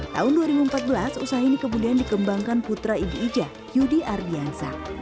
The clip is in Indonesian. tahun dua ribu empat belas usaha ini kemudian dikembangkan putra idi ija yudi ardiansa